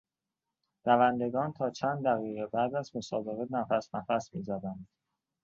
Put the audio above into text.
دوندگان تا چند دقیقه بعد از مسابقه نفس نفس میزدند.